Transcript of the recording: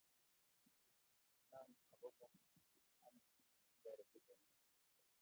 Inan agobo Hannah, kirorechi Penninah